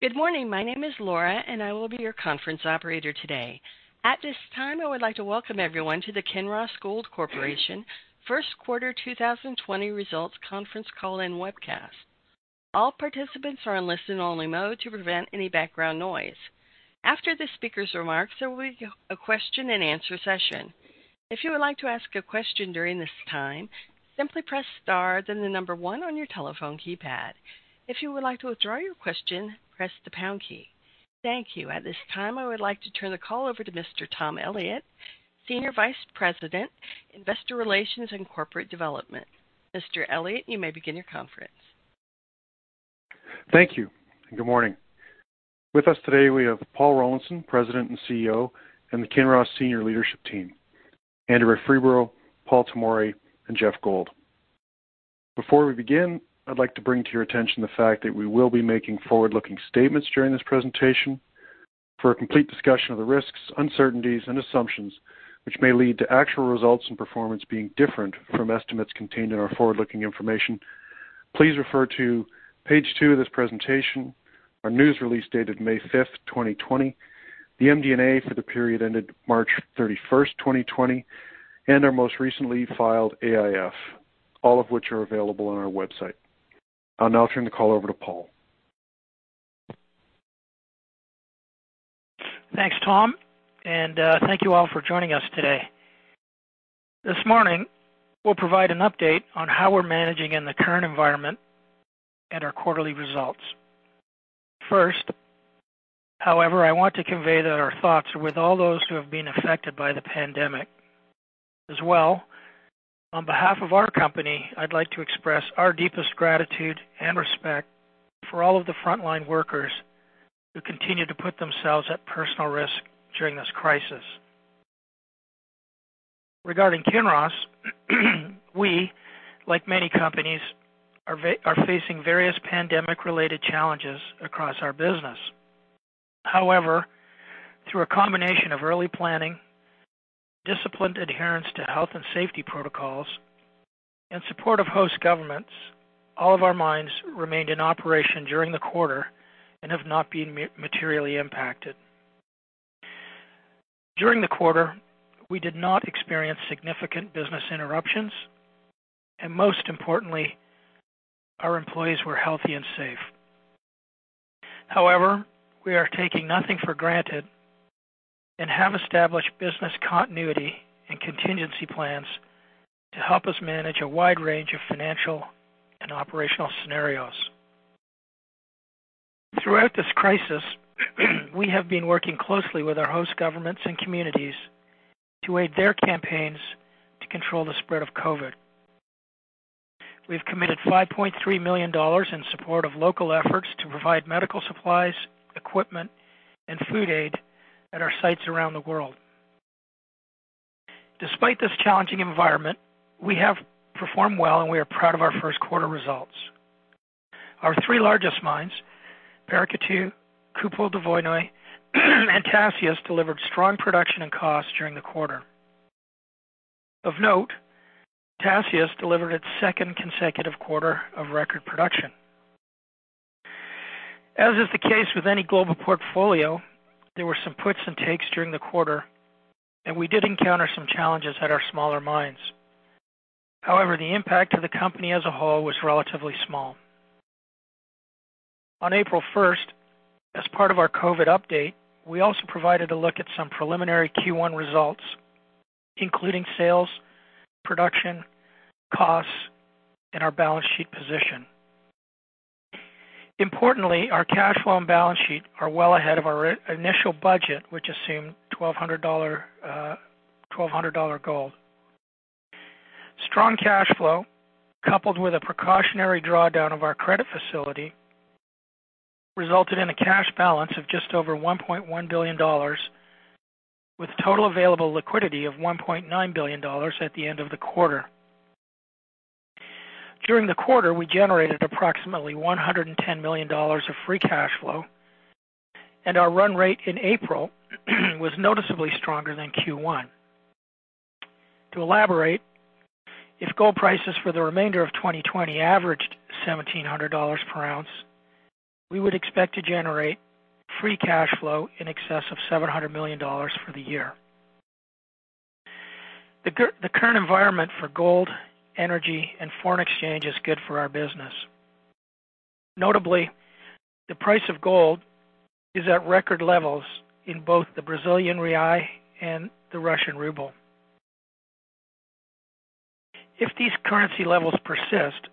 Good morning. My name is Laura, and I will be your conference operator today. At this time, I would like to welcome everyone to the Kinross Gold Corporation First Quarter 2020 Results Conference Call and Webcast. All participants are in listen-only mode to prevent any background noise. After the speaker's remarks, there will be a question-and-answer session. If you would like to ask a question during this time, simply press star, then the number one on your telephone keypad. If you would like to withdraw your question, press the pound key. Thank you. At this time, I would like to turn the call over to Mr. Tom Elliott, Senior Vice President, Investor Relations and Corporate Development. Mr. Elliott, you may begin your conference. Thank you, and good morning. With us today, we have Paul Rollinson, President and CEO, and the Kinross senior leadership team, Andrea Freeborough, Paul Tomory, and Geoff Gold. Before we begin, I'd like to bring to your attention the fact that we will be making forward-looking statements during this presentation. For a complete discussion of the risks, uncertainties, and assumptions which may lead to actual results and performance being different from estimates contained in our forward-looking information, please refer to page two of this presentation, our news release dated May 5, 2020, the MD&A for the period ended March 31, 2020, and our most recently filed AIF, all of which are available on our website. I'll now turn the call over to Paul. Thanks, Tom, and thank you all for joining us today. This morning, we'll provide an update on how we're managing in the current environment and our quarterly results. First, however, I want to convey that our thoughts are with all those who have been affected by the pandemic. On behalf of our company, I'd like to express our deepest gratitude and respect for all of the frontline workers who continue to put themselves at personal risk during this crisis. Regarding Kinross, we, like many companies, are facing various pandemic-related challenges across our business. However, through a combination of early planning, disciplined adherence to health and safety protocols, and support of host governments, all of our mines remained in operation during the quarter and have not been materially impacted. During the quarter, we did not experience significant business interruptions, and most importantly, our employees were healthy and safe. We are taking nothing for granted and have established business continuity and contingency plans to help us manage a wide range of financial and operational scenarios. Throughout this crisis, we have been working closely with our host governments and communities to aid their campaigns to control the spread of COVID. We've committed $5.3 million in support of local efforts to provide medical supplies, equipment, and food aid at our sites around the world. Despite this challenging environment, we have performed well, and we are proud of our first quarter results. Our three largest mines, Paracatu, Kupol Dvoinoye, and Tasiast, delivered strong production and costs during the quarter. Of note, Tasiast delivered its second consecutive quarter of record production. As is the case with any global portfolio, there were some puts and takes during the quarter, and we did encounter some challenges at our smaller mines. However, the impact to the company as a whole was relatively small. On April 1st, as part of our COVID update, we also provided a look at some preliminary Q1 results, including sales, production, costs, and our balance sheet position. Importantly, our cash flow and balance sheet are well ahead of our initial budget, which assumed $1,200 gold. Strong cash flow, coupled with a precautionary drawdown of our credit facility, resulted in a cash balance of just over $1.1 billion, with total available liquidity of $1.9 billion at the end of the quarter. During the quarter, we generated approximately $110 million of free cash flow, and our run rate in April was noticeably stronger than Q1. To elaborate, if gold prices for the remainder of 2020 averaged $1,700 per ounce, we would expect to generate free cash flow in excess of $700 million for the year. The current environment for gold, energy, and foreign exchange is good for our business. Notably, the price of gold is at record levels in both the Brazilian real and the Russian ruble. If these currency levels persist,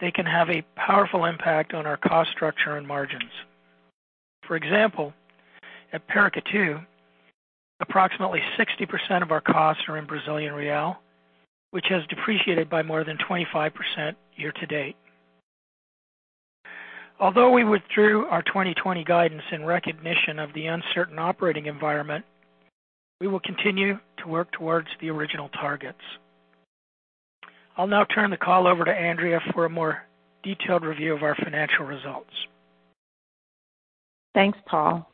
they can have a powerful impact on our cost structure and margins. For example, at Paracatu, approximately 60% of our costs are in Brazilian real, which has depreciated by more than 25% year to date. Although we withdrew our 2020 guidance in recognition of the uncertain operating environment, we will continue to work towards the original targets. I'll now turn the call over to Andrea for a more detailed review of our financial results. Thanks, Paul.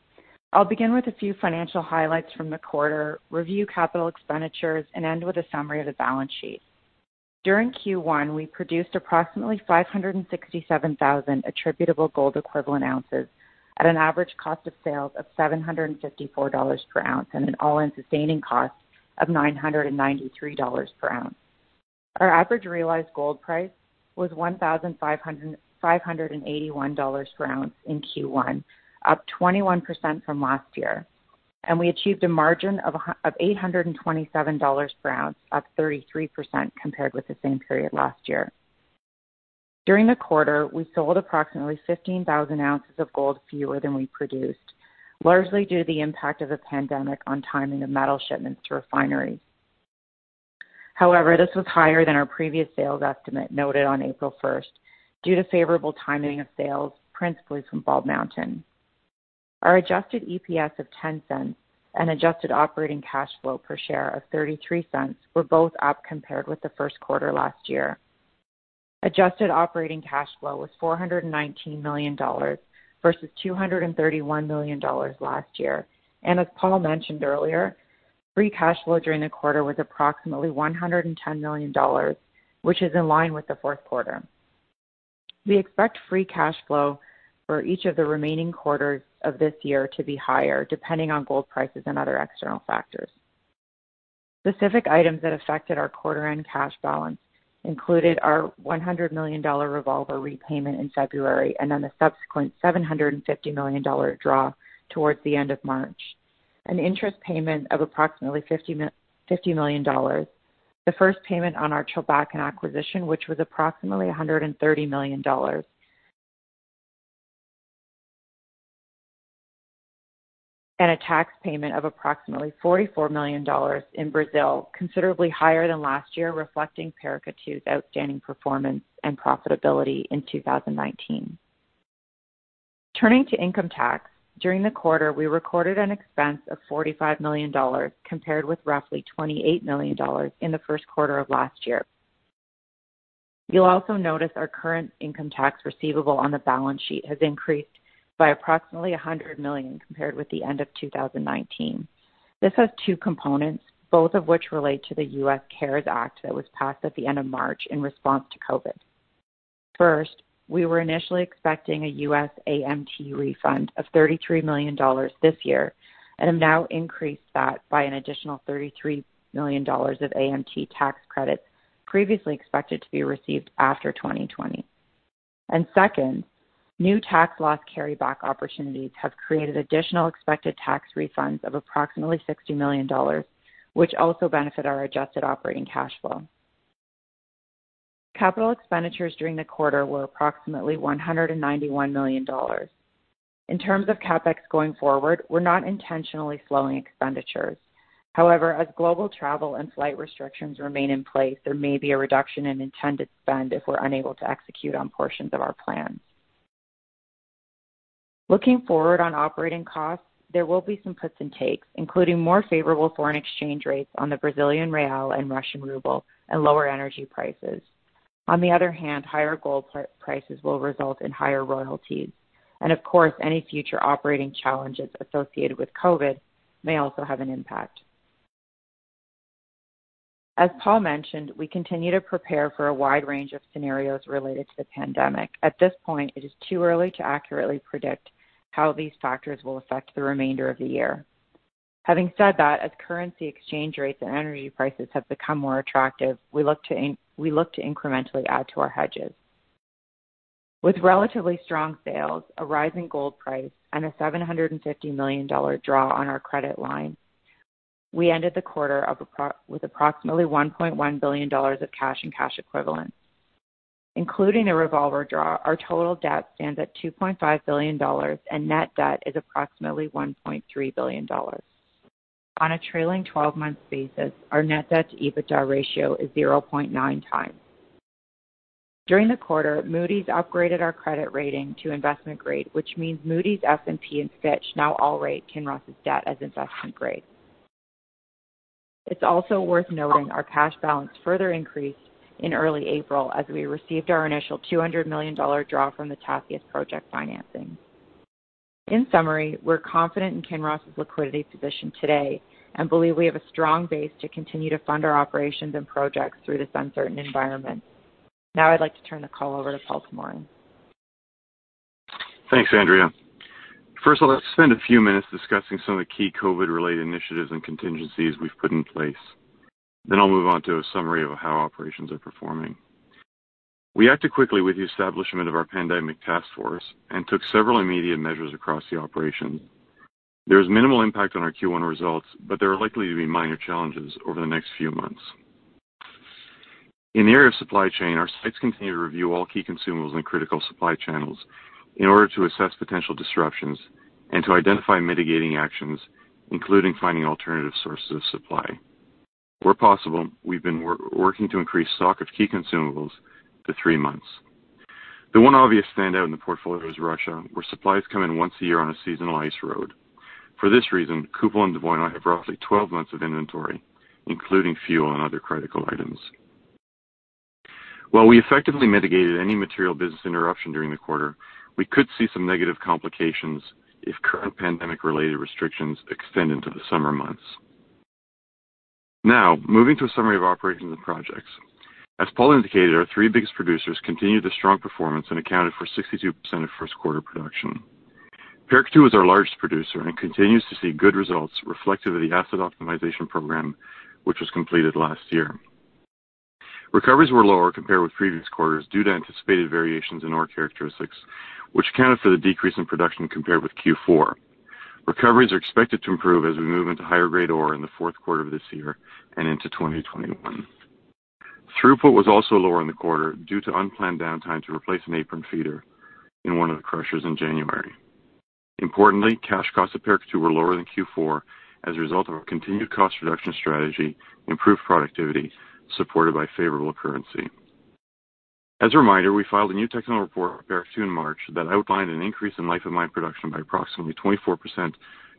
I'll begin with a few financial highlights from the quarter, review capital expenditures, and end with a summary of the balance sheet. During Q1, we produced approximately 567,000 attributable gold equivalent ounces at an average cost of sales of $754 per ounce and an all-in sustaining cost of $993 per ounce. Our average realized gold price was $1,581 per ounce in Q1, up 21% from last year, and we achieved a margin of $827 per ounce, up 33% compared with the same period last year. During the quarter, we sold approximately 15,000 ounces of gold fewer than we produced, largely due to the impact of the pandemic on timing of metal shipments to refineries. However, this was higher than our previous sales estimate noted on April 1st due to favorable timing of sales, principally from Bald Mountain. Our adjusted EPS of $0.10 and adjusted operating cash flow per share of $0.33 were both up compared with the first quarter last year. Adjusted operating cash flow was $419 million versus $231 million last year. As Paul mentioned earlier, free cash flow during the quarter was approximately $110 million, which is in line with the fourth quarter. We expect free cash flow for each of the remaining quarters of this year to be higher, depending on gold prices and other external factors. Specific items that affected our quarter-end cash balance included our $100 million revolver repayment in February, and then the subsequent $750 million draw towards the end of March, an interest payment of approximately $50 million, the first payment on our Chulbatkan acquisition, which was approximately $130 million. A tax payment of approximately $44 million in Brazil, considerably higher than last year, reflecting Paracatu's outstanding performance and profitability in 2019. Turning to income tax. During the quarter, we recorded an expense of $45 million compared with roughly $28 million in the first quarter of last year. You'll also notice our current income tax receivable on the balance sheet has increased by approximately $100 million compared with the end of 2019. This has two components, both of which relate to the US CARES Act that was passed at the end of March in response to COVID. First, we were initially expecting a US AMT refund of $33 million this year and have now increased that by an additional $33 million of AMT tax credits previously expected to be received after 2020. Second, new tax loss carryback opportunities have created additional expected tax refunds of approximately $60 million, which also benefit our adjusted operating cash flow. Capital expenditures during the quarter were approximately $191 million. In terms of CapEx going forward, we're not intentionally slowing expenditures. However, as global travel and flight restrictions remain in place, there may be a reduction in intended spend if we're unable to execute on portions of our plans. Looking forward on operating costs, there will be some puts and takes, including more favorable foreign exchange rates on the Brazilian real and Russian ruble and lower energy prices. On the other hand, higher gold prices will result in higher royalties. Of course, any future operating challenges associated with COVID may also have an impact. As Paul mentioned, we continue to prepare for a wide range of scenarios related to the pandemic. At this point, it is too early to accurately predict how these factors will affect the remainder of the year. Having said that, as currency exchange rates and energy prices have become more attractive, we look to incrementally add to our hedges. With relatively strong sales, a rising gold price, and a $750 million draw on our credit line, we ended the quarter with approximately $1.1 billion of cash and cash equivalents. Including a revolver draw, our total debt stands at $2.5 billion, and net debt is approximately $1.3 billion. On a trailing 12-month basis, our net debt to EBITDA ratio is 0.9x. During the quarter, Moody's upgraded our credit rating to investment grade, which means Moody's, S&P, and Fitch now all rate Kinross's debt as investment grade. It's also worth noting our cash balance further increased in early April as we received our initial $200 million draw from the Tasiast project financing. In summary, we're confident in Kinross's liquidity position today and believe we have a strong base to continue to fund our operations and projects through this uncertain environment. Now I'd like to turn the call over to Paul Tomory. Thanks, Andrea. First, I'd like to spend a few minutes discussing some of the key COVID-related initiatives and contingencies we've put in place. I'll move on to a summary of how operations are performing. We acted quickly with the establishment of our pandemic task force and took several immediate measures across the operations. There was minimal impact on our Q1 results, but there are likely to be minor challenges over the next few months. In the area of supply chain, our sites continue to review all key consumables and critical supply channels in order to assess potential disruptions and to identify mitigating actions, including finding alternative sources of supply. Where possible, we've been working to increase stock of key consumables to three months. The one obvious standout in the portfolio is Russia, where supplies come in once a year on a seasonal ice road. For this reason, Kupol and Dvoinoye have roughly 12 months of inventory, including fuel and other critical items. While we effectively mitigated any material business interruption during the quarter, we could see some negative complications if current pandemic-related restrictions extend into the summer months. Now, moving to a summary of operations and projects. As Paul indicated, our three biggest producers continued the strong performance and accounted for 62% of first quarter production. Paracatu is our largest producer and continues to see good results reflective of the asset optimization program, which was completed last year. Recoveries were lower compared with previous quarters due to anticipated variations in ore characteristics, which accounted for the decrease in production compared with Q4. Recoveries are expected to improve as we move into higher-grade ore in the fourth quarter of this year and into 2021. Throughput was also lower in the quarter due to unplanned downtime to replace an apron feeder in one of the crushers in January. Importantly, cash costs at Paracatu were lower than Q4 as a result of our continued cost reduction strategy, improved productivity, supported by favorable currency. As a reminder, we filed a new technical report for Paracatu in March that outlined an increase in life of mine production by approximately 24%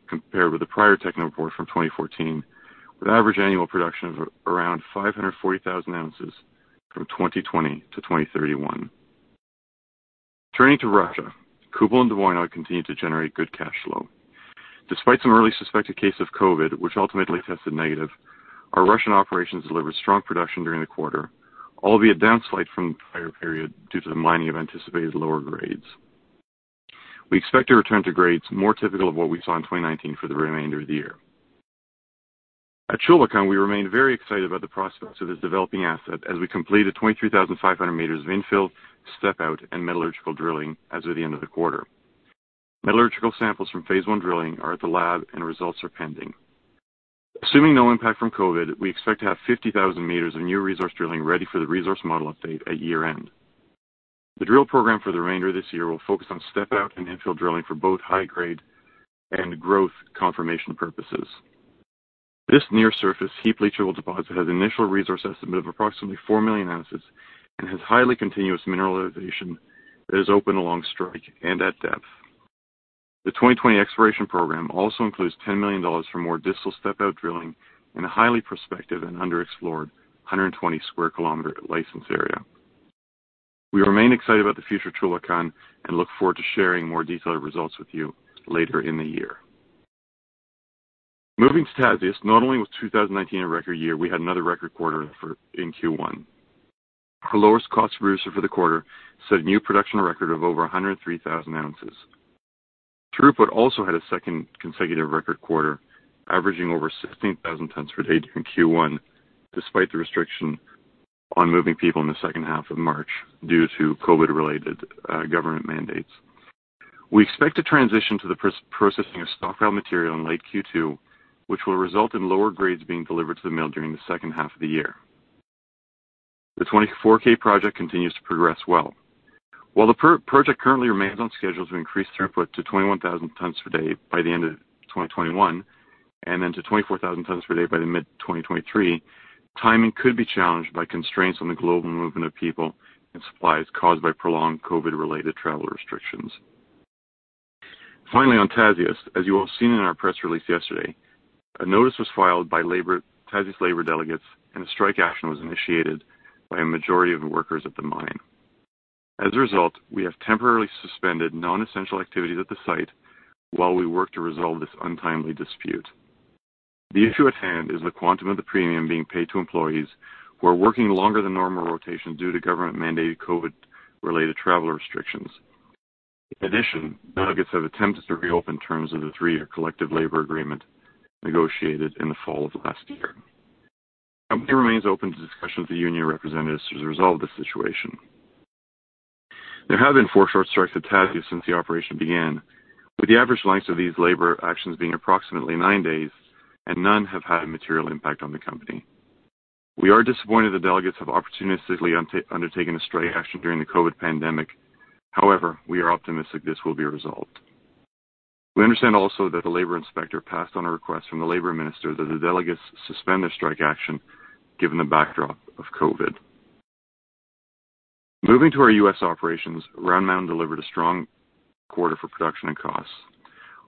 compared with the prior technical report from 2014, with average annual production of around 540,000 ounces from 2020 to 2031. Turning to Russia, Kupol and Dvoinoye continued to generate good cash flow. Despite some early suspected cases of COVID, which ultimately tested negative, our Russian operations delivered strong production during the quarter, albeit down slight from the prior period due to the mining of anticipated lower grades. We expect to return to grades more typical of what we saw in 2019 for the remainder of the year. At Chulbatkan, we remain very excited about the prospects of this developing asset as we completed 23,500 meters of infill, step out, and metallurgical drilling as of the end of the quarter. Metallurgical samples from phase I drilling are at the lab and results are pending. Assuming no impact from COVID, we expect to have 50,000 meters of new resource drilling ready for the resource model update at year-end. The drill program for the remainder of this year will focus on step out and infill drilling for both high grade and growth confirmation purposes. This near surface heap leachable deposit has initial resource estimate of approximately 4 million ounces and has highly continuous mineralization that is open along strike and at depth. The 2020 exploration program also includes $10 million for more distal step out drilling in a highly prospective and underexplored 120 square kilometer license area. We remain excited about the future of Chulbatkan and look forward to sharing more detailed results with you later in the year. Moving to Tasiast. Not only was 2019 a record year, we had another record quarter in Q1. Our lowest cost producer for the quarter set a new production record of over 103,000 ounces. Throughput also had a second consecutive record quarter, averaging over 16,000 tonnes per day during Q1, despite the restriction on moving people in the second half of March due to COVID-related government mandates. We expect to transition to the processing of stockpile material in late Q2, which will result in lower grades being delivered to the mill during the second half of the year. The 24K project continues to progress well. While the project currently remains on schedule to increase throughput to 21,000 tonnes per day by the end of 2021, and then to 24,000 tonnes per day by mid-2023, timing could be challenged by constraints on the global movement of people and supplies caused by prolonged COVID-related travel restrictions. Finally, on Tasiast, as you will have seen in our press release yesterday, a notice was filed by Tasiast labor delegates and a strike action was initiated by a majority of the workers at the mine. As a result, we have temporarily suspended non-essential activities at the site while we work to resolve this untimely dispute. The issue at hand is the quantum of the premium being paid to employees who are working longer than normal rotation due to government-mandated COVID-related travel restrictions. The delegates have attempted to reopen terms of the three-year collective labor agreement negotiated in the fall of last year. The company remains open to discussions with union representatives to resolve this situation. There have been four short strikes at Tasiast since the operation began, with the average length of these labor actions being approximately nine days, and none have had a material impact on the company. We are disappointed the delegates have opportunistically undertaken a strike action during the COVID pandemic. We are optimistic this will be resolved. We understand also that the labor inspector passed on a request from the labor minister that the delegates suspend their strike action given the backdrop of COVID. Moving to our U.S. operations, Round Mountain delivered a strong quarter for production and costs,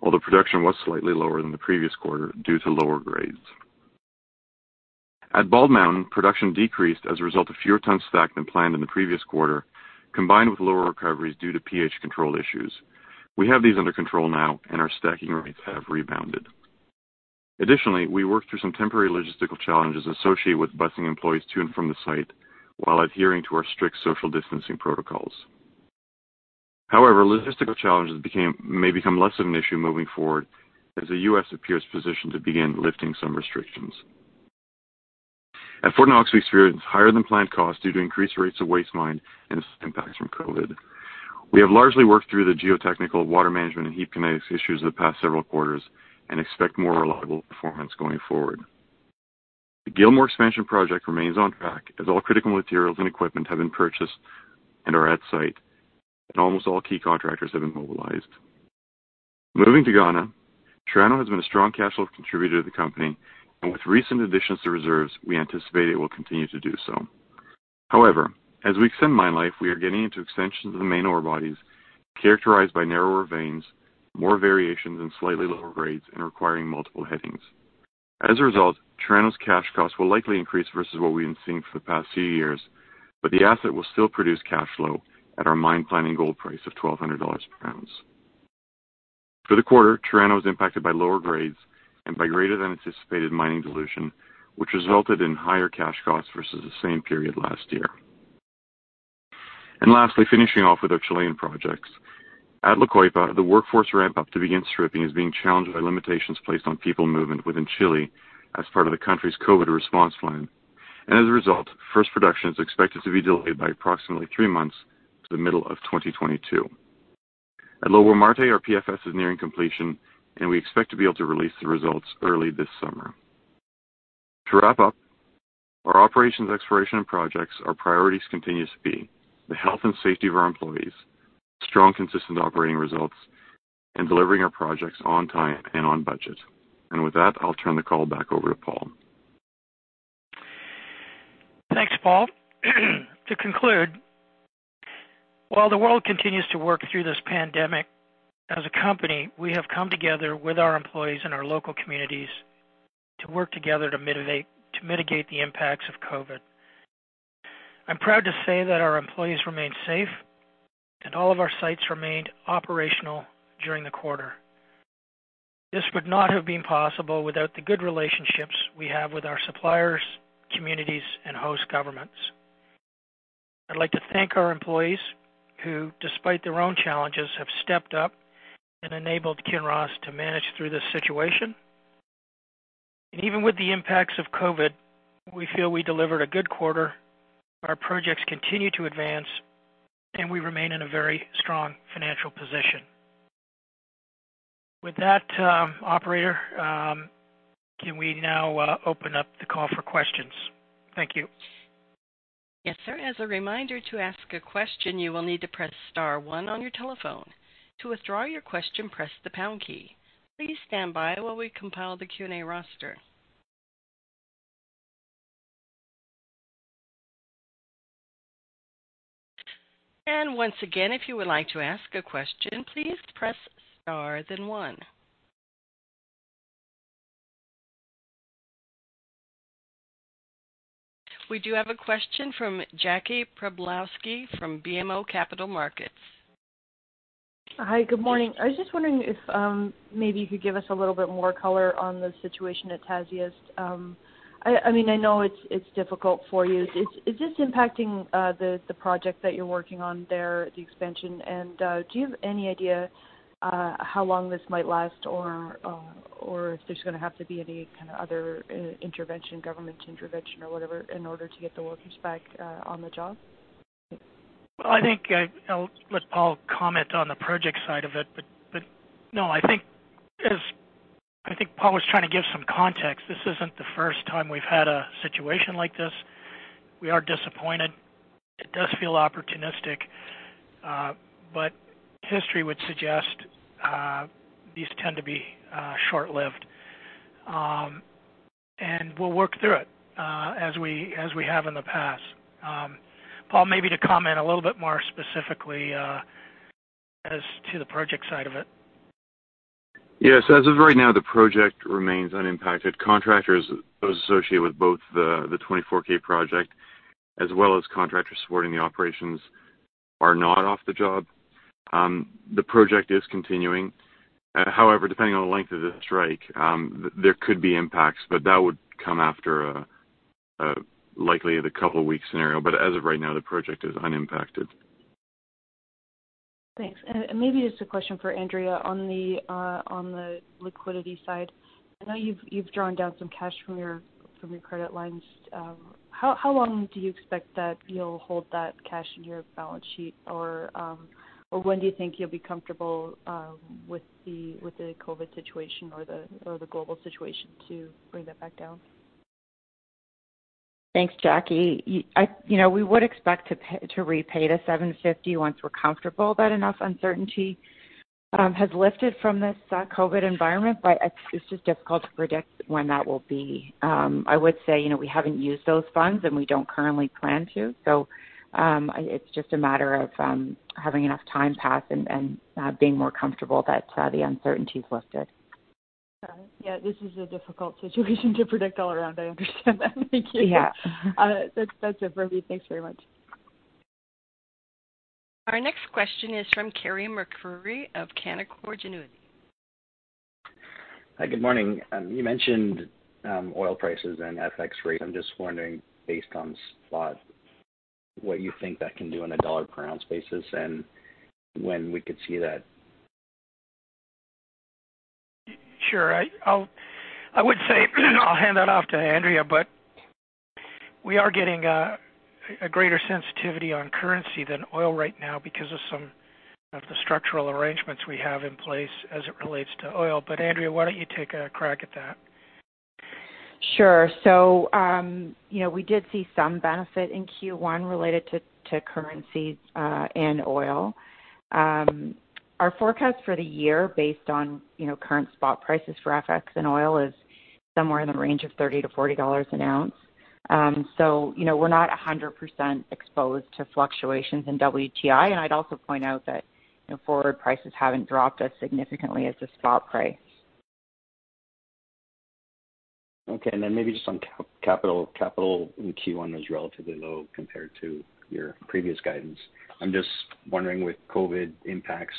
although production was slightly lower than the previous quarter due to lower grades. At Bald Mountain, production decreased as a result of fewer tonnes stacked than planned in the previous quarter, combined with lower recoveries due to pH control issues. We have these under control now and our stacking rates have rebounded. Additionally, we worked through some temporary logistical challenges associated with busing employees to and from the site while adhering to our strict social distancing protocols. Logistical challenges may become less of an issue moving forward as the U.S. appears positioned to begin lifting some restrictions. At Fort Knox, we experienced higher than planned costs due to increased rates of waste mined and some impacts from COVID. We have largely worked through the geotechnical water management and heap kinetics issues of the past several quarters and expect more reliable performance going forward. The Gilmore expansion project remains on track as all critical materials and equipment have been purchased and are at site, and almost all key contractors have been mobilized. Moving to Ghana, Chirano has been a strong cash flow contributor to the company, and with recent additions to reserves, we anticipate it will continue to do so. However, as we extend mine life, we are getting into extensions of the main ore bodies characterized by narrower veins, more variations and slightly lower grades, and requiring multiple headings. As a result, Chirano's cash costs will likely increase versus what we've been seeing for the past few years, but the asset will still produce cash flow at our mine planning gold price of $1,200 per ounce. For the quarter, Chirano was impacted by lower grades and by greater than anticipated mining dilution, which resulted in higher cash costs versus the same period last year. Lastly, finishing off with our Chilean projects. At La Coipa, the workforce ramp up to begin stripping is being challenged by limitations placed on people movement within Chile as part of the country's COVID response plan. As a result, first production is expected to be delayed by approximately three months to the middle of 2022. At Lobo-Marte, our PFS is nearing completion, and we expect to be able to release the results early this summer. To wrap up, our operations exploration and projects, our priorities continue to be the health and safety of our employees, strong, consistent operating results, and delivering our projects on time and on budget. With that, I'll turn the call back over to Paul. Thanks, Paul. To conclude, while the world continues to work through this pandemic, as a company, we have come together with our employees and our local communities to work together to mitigate the impacts of COVID. I'm proud to say that our employees remained safe and all of our sites remained operational during the quarter. This would not have been possible without the good relationships we have with our suppliers, communities, and host governments. I'd like to thank our employees who, despite their own challenges, have stepped up and enabled Kinross to manage through this situation. Even with the impacts of COVID, we feel we delivered a good quarter, our projects continue to advance, and we remain in a very strong financial position. With that, operator, can we now open up the call for questions? Thank you. Yes, sir. As a reminder, to ask a question, you will need to press star one on your telephone. To withdraw your question, press the pound key. Please stand by while we compile the Q&A roster. Once again, if you would like to ask a question, please press star, then one. We do have a question from Jackie Przybylowski from BMO Capital Markets. Hi. Good morning. I was just wondering if maybe you could give us a little bit more color on the situation at Tasiast. I know it's difficult for you. Is this impacting the project that you're working on there, the expansion? Do you have any idea how long this might last or if there's going to have to be any kind of other intervention, government intervention or whatever, in order to get the workers back on the job? Well, I think I'll let Paul comment on the project side of it. No, I think Paul was trying to give some context. This isn't the first time we've had a situation like this. We are disappointed. It does feel opportunistic. History would suggest these tend to be short-lived. We'll work through it, as we have in the past. Paul, maybe to comment a little bit more specifically as to the project side of it. Yes. As of right now, the project remains unimpacted. Contractors associated with both the 24K project as well as contractors supporting the operations are not off the job. The project is continuing. Depending on the length of the strike, there could be impacts, but that would come after likely the couple of weeks scenario. As of right now, the project is unimpacted. Thanks. Maybe just a question for Andrea on the liquidity side. I know you've drawn down some cash from your credit lines. How long do you expect that you'll hold that cash in your balance sheet? When do you think you'll be comfortable with the COVID situation or the global situation to bring that back down? Thanks, Jackie. We would expect to repay the $750 once we're comfortable that enough uncertainty has lifted from this COVID environment. It's just difficult to predict when that will be. I would say we haven't used those funds. We don't currently plan to. It's just a matter of having enough time pass and being more comfortable that the uncertainty's lifted. Got it. Yeah, this is a difficult situation to predict all around. I understand that. Thank you. Yeah. That's it for me. Thanks very much. Our next question is from Carey MacRury of Canaccord Genuity. Hi, good morning. You mentioned oil prices and FX rates. I'm just wondering, based on spot, what you think that can do on a dollar per ounce basis and when we could see that. Sure. I would say, I'll hand that off to Andrea, but we are getting a greater sensitivity on currency than oil right now because of some of the structural arrangements we have in place as it relates to oil. Andrea, why don't you take a crack at that? Sure. We did see some benefit in Q1 related to currencies and oil. Our forecast for the year based on current spot prices for FX and oil is somewhere in the range of $30-$40 an ounce. We're not 100% exposed to fluctuations in WTI, and I'd also point out that forward prices haven't dropped as significantly as the spot price. Maybe just on capital. Capital in Q1 was relatively low compared to your previous guidance. I'm just wondering, with COVID impacts,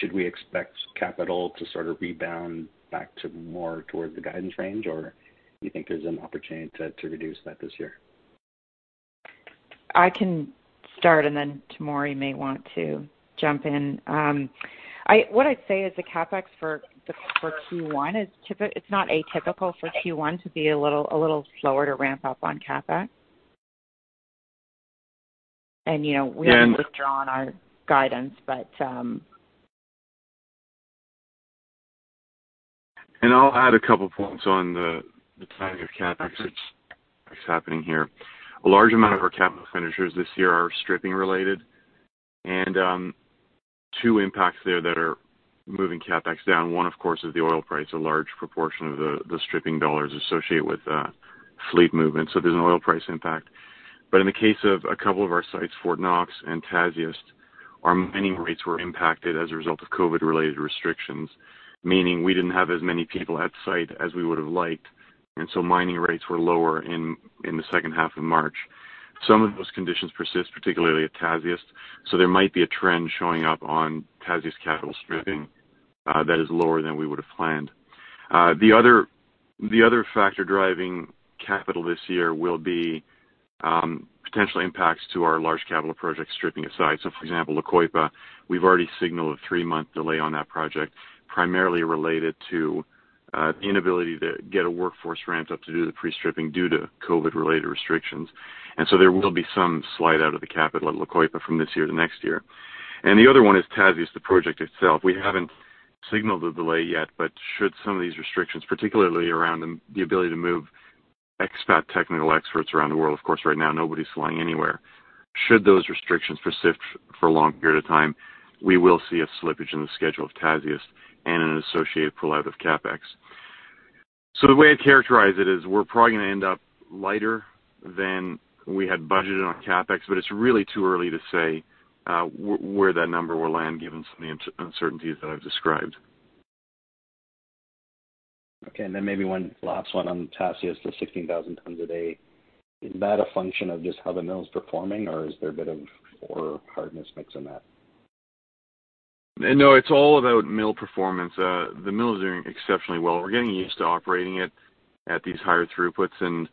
should we expect capital to sort of rebound back to more towards the guidance range, or do you think there's an opportunity to reduce that this year? I can start, then Tomory may want to jump in. What I'd say is the CapEx for Q1, it's not atypical for Q1 to be a little slower to ramp up on CapEx. We haven't withdrawn our guidance. I'll add a couple points on the timing of CapEx that's happening here. A large amount of our capital expenditures this year are stripping related, and two impacts there that are moving CapEx down. One, of course, is the oil price, a large proportion of the stripping dollar associated with fleet movement, so there's an oil price impact. In the case of a couple of our sites, Fort Knox and Tasiast, our mining rates were impacted as a result of COVID related restrictions, meaning we didn't have as many people at site as we would've liked, and so mining rates were lower in the second half of March. Some of those conditions persist, particularly at Tasiast, so there might be a trend showing up on Tasiast capital stripping that is lower than we would've planned. The other factor driving capital this year will be potential impacts to our large capital project stripping at sites. For example, La Coipa, we've already signaled a three-month delay on that project, primarily related to the inability to get a workforce ramped up to do the pre-stripping due to COVID-related restrictions. There will be some slide out of the capital at La Coipa from this year to next year. The other one is Tasiast, the project itself. We haven't signaled the delay yet, but should some of these restrictions, particularly around the ability to move expat technical experts around the world, of course, right now nobody's flying anywhere. Should those restrictions persist for a long period of time, we will see a slippage in the schedule of Tasiast and an associated pull out of CapEx. The way I'd characterize it is we're probably going to end up lighter than we had budgeted on CapEx, but it's really too early to say where that number will land given some of the uncertainties that I've described. Okay, maybe one last one on Tasiast, the 16,000 tons a day. Is that a function of just how the mill's performing, or is there a bit of ore hardness mix in that? No, it's all about mill performance. The mill is doing exceptionally well. We're getting used to operating it at these higher throughputs.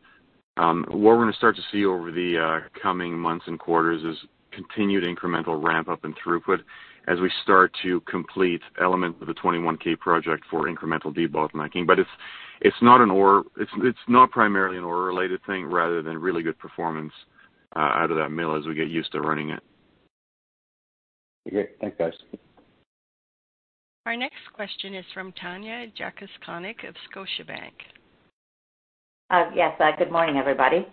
What we're going to start to see over the coming months and quarters is continued incremental ramp up in throughput as we start to complete elements of the 21K project for incremental debottlenecking. It's not primarily an ore related thing rather than really good performance out of that mill as we get used to running it. Okay. Thanks, guys. Our next question is from Tanya Jakusconek of Scotiabank. Yes. Good morning, everybody.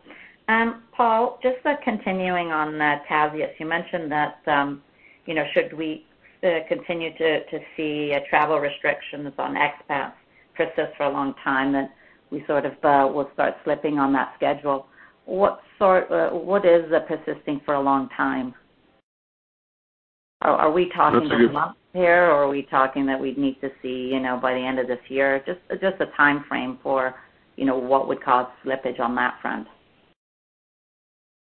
Paul, just continuing on Tasiast, you mentioned that should we continue to see travel restrictions on expats persist for a long time, then we sort of will start slipping on that schedule. What is persisting for a long time? That's a good- months here, or are we talking that we'd need to see by the end of this year? Just a timeframe for what would cause slippage on that front.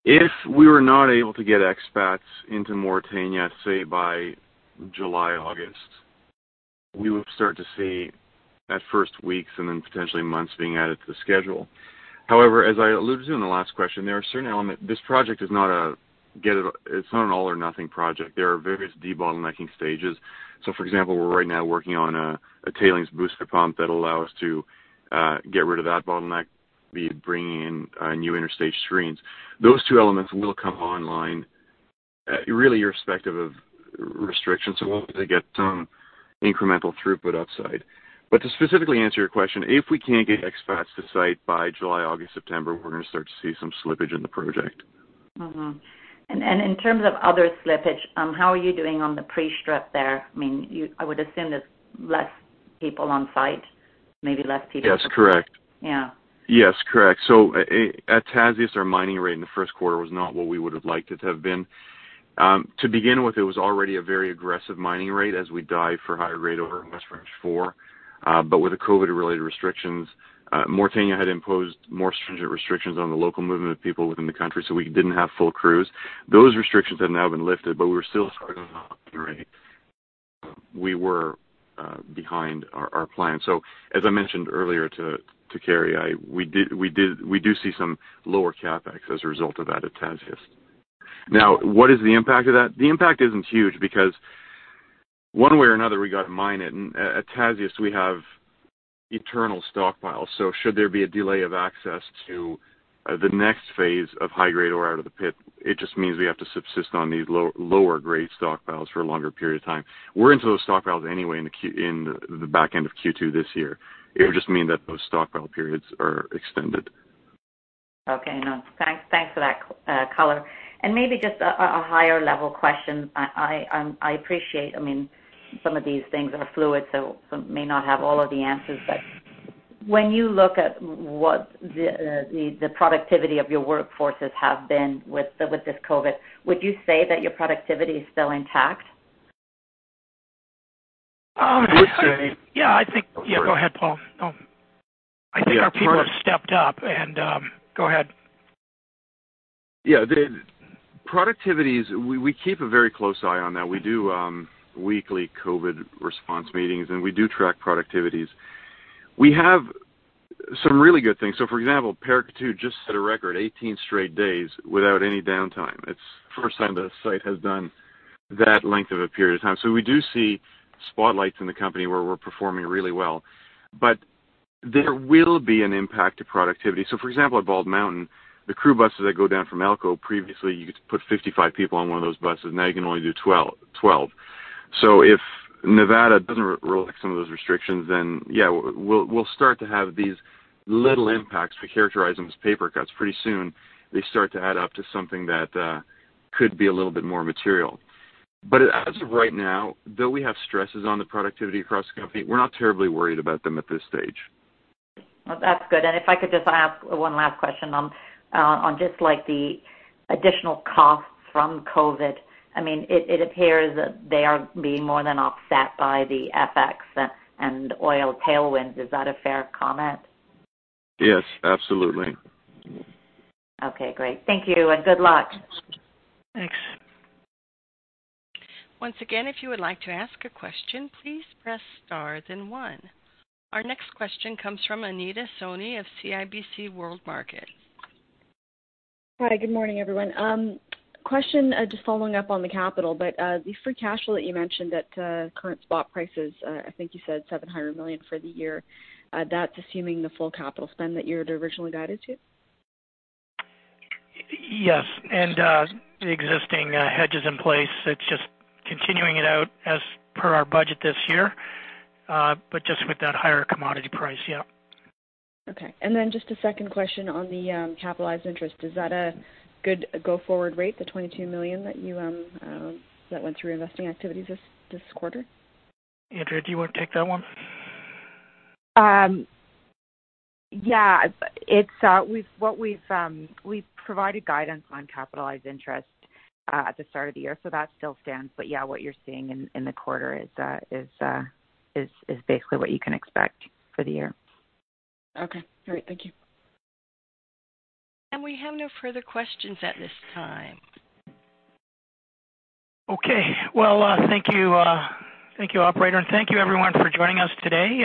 If we were not able to get expats into Mauritania, say, by July, August, we would start to see at first weeks and then potentially months being added to the schedule. As I alluded to in the last question, this project it's not an all or nothing project. There are various debottlenecking stages. For example, we are right now working on a tailings booster pump that will allow us to get rid of that bottleneck, be it bringing in new interstage screens. Those two elements will come online really irrespective of restrictions, we will get some incremental throughput upside. To specifically answer your question, if we cannot get expats to site by July, August, September, we are going to start to see some slippage in the project. In terms of other slippage, how are you doing on the pre-strip there? I would assume there's less people on site. That's correct. Yeah. Yes, correct. At Tasiast, our mining rate in the first quarter was not what we would've liked it to have been. To begin with, it was already a very aggressive mining rate as we dive for higher rate over in West Branch 4. With the COVID related restrictions, Mauritania had imposed more stringent restrictions on the local movement of people within the country, so we didn't have full crews. Those restrictions have now been lifted, but we're still starting off at a rate. We were behind our plan. As I mentioned earlier to Carey, we do see some lower CapEx as a result of that at Tasiast. Now, what is the impact of that? The impact isn't huge because one way or another, we got to mine it, and at Tasiast, we have eternal stockpiles. Should there be a delay of access to the next phase of high grade ore out of the pit, it just means we have to subsist on these lower grade stockpiles for a longer period of time. We're into those stockpiles anyway in the back end of Q2 this year. It would just mean that those stockpile periods are extended. Okay. No. Thanks for that color. Maybe just a higher level question. I appreciate some of these things are fluid, so may not have all of the answers. When you look at what the productivity of your workforces have been with this COVID, would you say that your productivity is still intact? I would say- Yeah, Go ahead, Paul. I think our people have stepped up and, go ahead. Yeah. Productivities, we keep a very close eye on that. We do weekly COVID response meetings, and we do track productivities. We have some really good things. For example, Paracatu just set a record 18 straight days without any downtime. It's the first time the site has done that length of a period of time. We do see spotlights in the company where we're performing really well. There will be an impact to productivity. For example, at Bald Mountain, the crew buses that go down from Elko, previously, you could put 55 people on one of those buses. Now you can only do 12. If Nevada doesn't relax some of those restrictions, then yeah, we'll start to have these little impacts. We characterize them as paper cuts. Pretty soon, they start to add up to something that could be a little bit more material. As of right now, though we have stresses on the productivity across the company, we're not terribly worried about them at this stage. Well, that's good. If I could just ask one last question on just the additional costs from COVID. It appears that they are being more than offset by the FX and oil tailwinds. Is that a fair comment? Yes, absolutely. Okay, great. Thank you and good luck. Thanks. Once again, if you would like to ask a question, please press star then one. Our next question comes from Anita Soni of CIBC World Markets. Hi, good morning, everyone. Question, just following up on the capital, but the free cash flow that you mentioned at current spot prices, I think you said $700 million for the year. That's assuming the full capital spend that you had originally guided to? Yes. The existing hedge is in place. It's just continuing it out as per our budget this year. Just with that higher commodity price, yeah. Okay. Just a second question on the capitalized interest. Is that a good go-forward rate, the $22 million that went through investing activities this quarter? Andrea, do you want to take that one? We've provided guidance on capitalized interest at the start of the year. That still stands. What you're seeing in the quarter is basically what you can expect for the year. Okay, great. Thank you. We have no further questions at this time. Okay. Well, thank you operator, and thank you everyone for joining us today.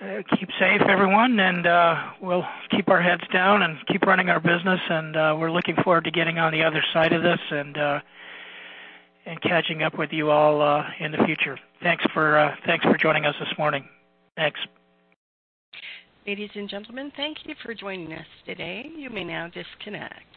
Keep safe everyone, and we'll keep our heads down and keep running our business, and we're looking forward to getting on the other side of this and catching up with you all in the future. Thanks for joining us this morning. Thanks. Ladies and gentlemen, thank you for joining us today. You may now disconnect.